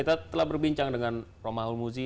kita lihat saja nanti bagaimana